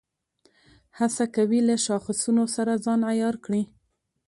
هڅه کوي له شاخصونو سره ځان عیار کړي.